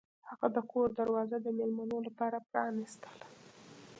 هغه د کور دروازه د میلمنو لپاره پرانیستله.